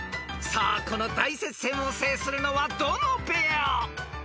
［さあこの大接戦を制するのはどのペア？］